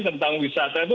tentang wisata itu